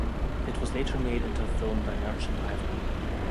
It was later made into a film by Merchant Ivory.